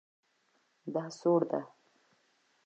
دا سوړ ده